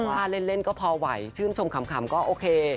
ถ้าเล่นก็พอไหวชื่นชมขำก็โอเค